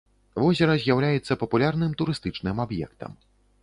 Возера з'яўляецца папулярным турыстычным аб'ектам.